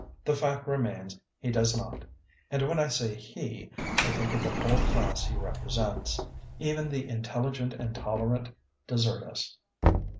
The fact remains, he does not; and when I say he, I think of the whole class he represents. Even the intelligent and tolerant desert us.